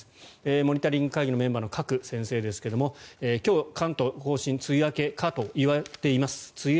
モニタリング会議のメンバーの賀来先生ですが今日、関東・甲信梅雨明けかといわれています。